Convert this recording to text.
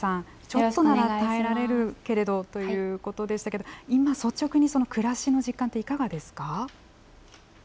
「ちょっとなら耐えられるけれど」ということでしたけど今率直に暮らしの実感っていかがですか？